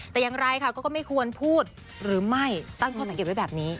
แต่อย่างไรค่ะก็ไม่ควรพูดหรือไม่ตั้งข้อสังเกตไว้แบบนี้